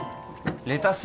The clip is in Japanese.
レタス